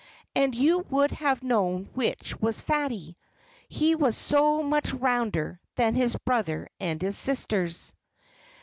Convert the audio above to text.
And you would have known which was Fatty he was so much rounder than his brother and his sisters.